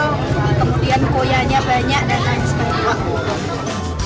kemudian koyanya banyak dan menginspirasi